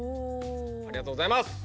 ありがとうございます！